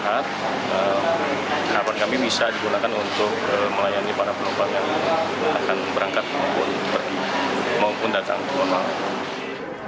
harapan kami bisa digunakan untuk melayani para penumpang yang akan berangkat maupun datang ke luar